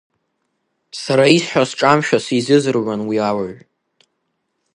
Сара исҳәо сҿамшәо сизыӡырҩуан уи ауаҩ.